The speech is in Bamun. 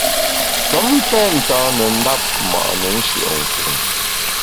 Sem pen ntane ndap ma’ne nshùe’nkun.